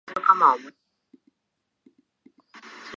札幌・台北線開設